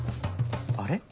あれ？